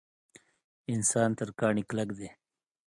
انسان تر کاڼي کلک دی.